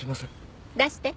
出して。